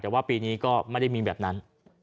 แต่ว่าปีนี้ก็ไม่ได้มีแบบนั้น